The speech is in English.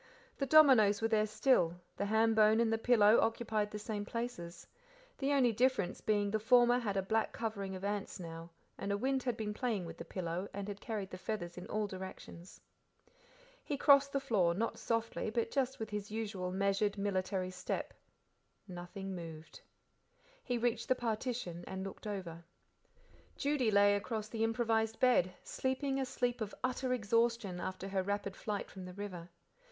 The dominoes were there still, the ham bone and the pillow occupied the same places; the only difference being the former had a black covering of ants now, and a wind had been playing with the pillow, and had carried the feathers in all directions. He crossed the floor, not softly, but just with his usual measured military step. Nothing moved. He reached the partition and looked over. Judy lay across the improvised bed, sleeping a sleep of utter exhaustion after her rapid flight from the river.